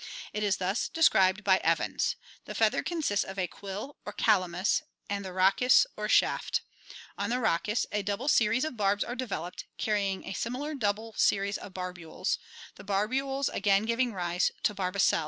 It is thus described by Evans: The feather consists of a quill or calamus and the rhachis or shaft. On the rhachis a double series of barbs are developed, carrying a similar double series of barbules, the barbules again giving rise to barbicels, Fig.